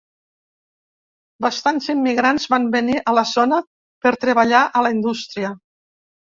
Bastants immigrants van venir a la zona per treballar a la indústria.